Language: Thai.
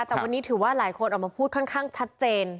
แต่วันนี้ถือว่าหลายคนออกมาพูดค่อนข้างชัดเจน